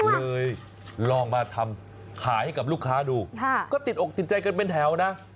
เลยลองมาทำขายให้กับลูกค้าดูก็ติดอกติดใจกันเป็นแถวนะ